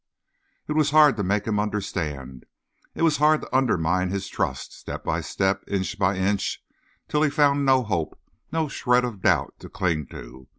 It was hard to make him understand. It was hard to undermine his trust, step by step, inch by inch, till he found no hope, no shred of doubt to cling to.